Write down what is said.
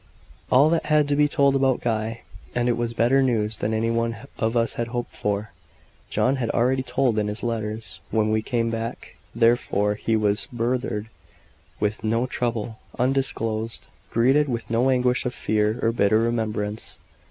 All that had to be told about Guy and it was better news than any one of us had hoped for John had already told in his letters. When he came back, therefore, he was burthened with no trouble undisclosed greeted with no anguish of fear or bitter remembrance.